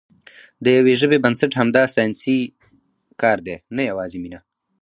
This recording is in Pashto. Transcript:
د یوې ژبې بنسټ همدا ساینسي کار دی، نه یوازې مینه.